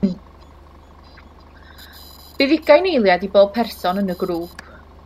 Bydd ugain eiliad i bob person yn y grŵp